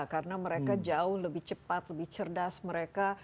karena mereka jauh lebih cepat lebih cerdas mereka